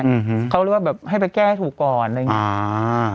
อืมเขาเรียกว่าแบบให้ไปแก้ให้ถูกก่อนอะไรอย่างเงี้อ่า